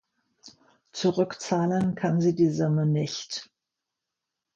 Zurückzahlen kann sie die Summe nicht.